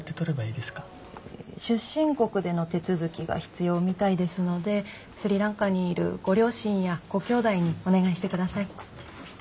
出身国での手続きが必要みたいですのでスリランカにいるご両親やご兄弟にお願いしてください。